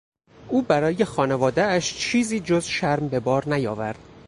او برای خانوادهاش چیزی جز شرم به بار نیاورد.